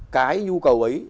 cái nhu cầu ấy